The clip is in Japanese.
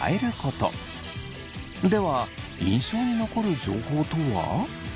では印象に残る情報とは？